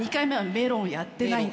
メロンやってない。